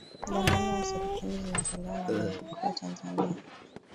dhamana za serikali zinazotolewa na benki kuu ya tanzania